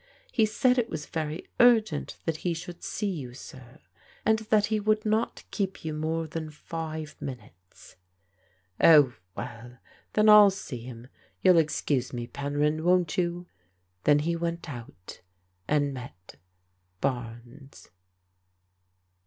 He said it was very urgent that he should see you, sir, and that he would not keep you more than five minutes." " Oh, well, then I'll see him. You'll excuse me, Pen ryn, won't you?" Then he went out, and met Barnes.